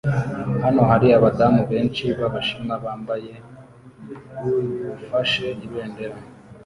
Hano hari abadamu benshi b'Abashinwa bambaye u ufashe ibendera